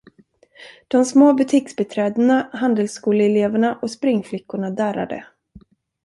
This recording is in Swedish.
De små butiksbiträdena, handelsskoleeleverna och springflickorna darrade.